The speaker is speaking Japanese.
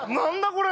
これ！